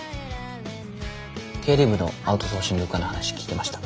経理部のアウトソーシング化の話聞きました。